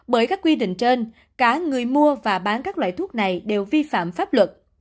bởi các quy định trên cả người mua và bán các loại thuốc này đều vi phạm pháp luật